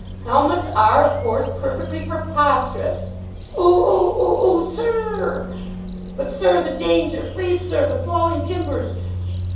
Helmets are, of course, perfectly preposterous." "Oo oo oo oo, sir r r!" "But, sir, the danger!" "Please, sir, the falling timbers!"